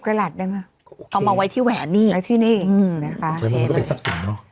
๑๐กลาดได้ไหมเอามาไว้ที่แหวนนี่ใช่ไหมมันก็ไปสับสนเนอะ